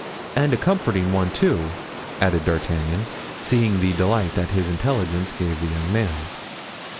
"And a comforting one, too," added D'Artagnan, seeing the delight that his intelligence gave the young man.